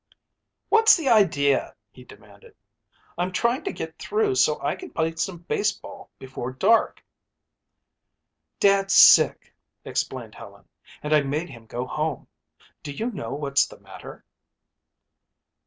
"What's the idea?" he demanded. "I'm trying to get through so I can play some baseball before dark." "Dad's sick," explained Helen, "and I made him go home. Do you know what's the matter?"